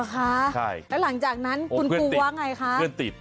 เหรอคะแล้วหลังจากนั้นคุณกูว่าไงคะโอ้เพื่อนติด